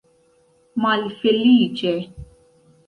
malfeliĉe